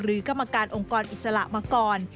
กรรมการองค์กรอิสระมาก่อน